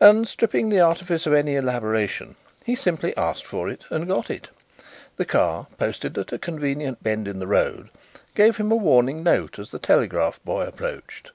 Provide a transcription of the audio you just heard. And, stripping the artifice of any elaboration, he simply asked for it and got it. The car, posted at a convenient bend in the road, gave him a warning note as the telegraph boy approached.